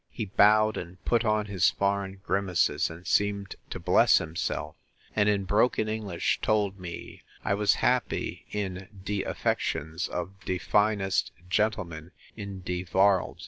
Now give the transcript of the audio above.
He bowed, and put on his foreign grimaces, and seemed to bless himself; and, in broken English, told me, I was happy in de affections of de finest gentleman in de varld!